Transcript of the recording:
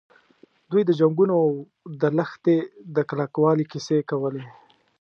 دوی د جنګونو او د لښتې د کلکوالي کیسې کولې.